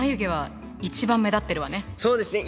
そうですね。